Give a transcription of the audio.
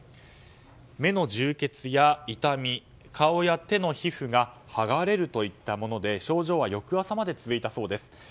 目の充血や痛み顔や手の皮膚が剥がれるといったもので症状は翌朝まで続いたそうです。